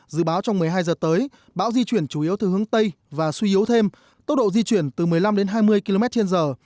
dự báo trong một mươi hai giờ tới bão di chuyển chủ yếu theo hướng tây và suy yếu thêm tốc độ di chuyển từ một mươi năm đến hai mươi km trên giờ